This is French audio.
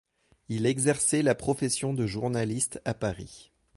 Il exerçait la profession de journaliste à Paris.